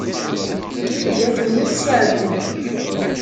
Tella temmut si ɛeyyu.